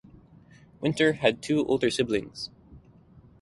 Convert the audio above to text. Winter had two older siblings.